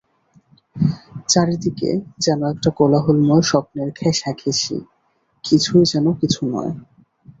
চারিদিকে যেন একটা কোলাহলময় স্বপ্নের ঘেঁষাঘেঁষি– কিছুই যেন কিছু নয়।